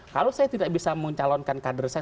kalau saya tidak bisa mencalonkan kader saya